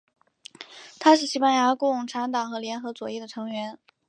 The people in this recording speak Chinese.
他是西班牙共产党和联合左翼的成员。